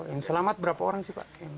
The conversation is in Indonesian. yang selamat berapa orang sih pak